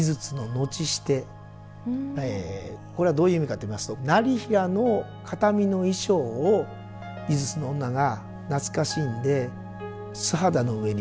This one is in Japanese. シテこれはどういう意味かといいますと業平の形見の衣装を井筒の女が懐かしんで素肌の上に結局羽織るという。